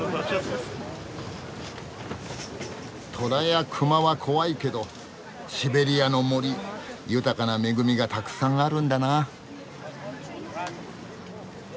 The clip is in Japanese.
トラや熊は怖いけどシベリアの森豊かな恵みがたくさんあるんだなあ。